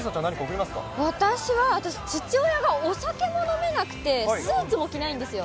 私は父親がお酒も飲めなくて、スーツも着ないんですよ。